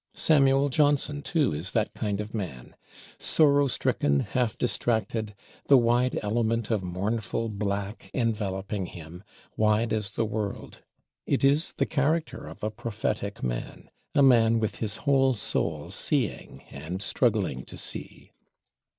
Samuel Johnson too is that kind of man. Sorrow stricken, half distracted; the wide element of mournful black enveloping him, wide as the world. It is the character of a prophetic man; a man with his whole soul seeing, and struggling to see.